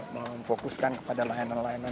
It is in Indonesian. memfokuskan kepada layanan layanan